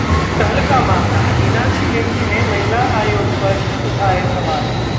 तहलका मामला: मीनाक्षी लेखी ने महिला अयोग पर ही उठाए सवाल